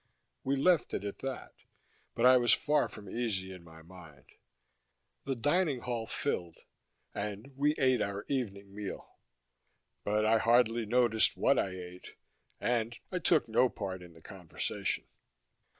We left it at that, but I was far from easy in my mind. The dining hall filled, and we ate our evening meal, but I hardly noticed what I ate and I took no part in the conversation.